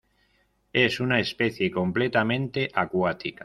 Es una especie completamente acuática.